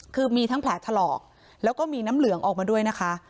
คือมีทั้งแผลถลอกแล้วก็มีน้ำเหลืองออกมาด้วยนะคะ